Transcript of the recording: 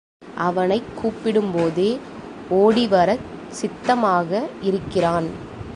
அவனைக் கூப்பிடும் போதே ஓடிவரச் சித்தமாக இருக்கிறான்.